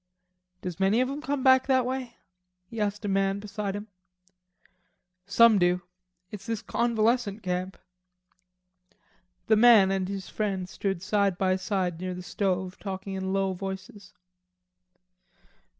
"Does many of 'em come back that way?" he asked a man beside him. "Some do. It's this convalescent camp." The man and his friend stood side by side near the stove talking in low voices.